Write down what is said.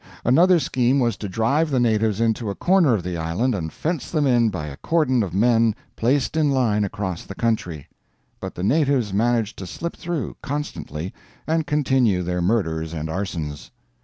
Another scheme was to drive the natives into a corner of the island and fence them in by a cordon of men placed in line across the country; but the natives managed to slip through, constantly, and continue their murders and arsons.